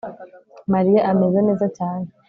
mariya ameze neza cyane